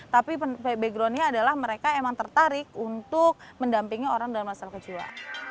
tapi backgroundnya adalah mereka emang tertarik untuk mendampingi orang dalam masalah kejiwaan